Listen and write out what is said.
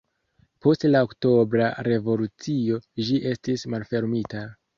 Post la Oktobra Revolucio ĝi estis malfermita.